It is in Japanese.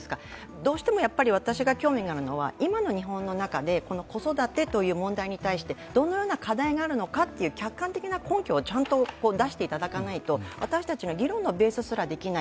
どうしても私が興味があるのは今の日本の中で子育てという問題に対してどのような課題があるのかという客観的な根拠をちゃんと出していただかないと私たちの議論のベースすらできない。